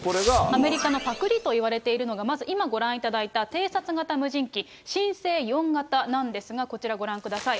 アメリカのパクリといわれているのがまず今、ご覧いただいた偵察型無人機新星４型なんですが、こちらご覧ください。